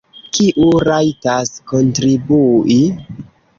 Kiu rajtas kontribui?